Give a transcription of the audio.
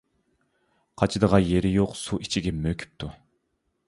قاچىدىغان يېرى يوق سۇ ئىچىگە مۆكۈپتۇ.